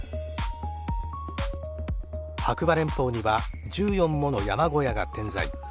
白馬連峰には１４もの山小屋が点在。